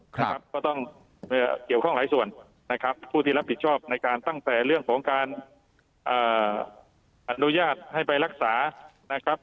ก็ต้องเกี่ยวข้องหลายส่วนนะครับผู้ที่รับผิดชอบในการตั้งแต่เรื่องของการอนุญาตให้ไปรักษานะครับ